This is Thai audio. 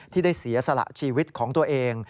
ที่ได้เสียสละชีวิตของตัวเอง